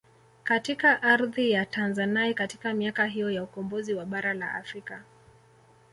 Katika ardhi ya Tanzanai katika miaka hiyo ya ukombozi wa bara la Afrika